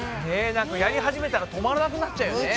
やり始めたら止まらなくなっちゃうよね。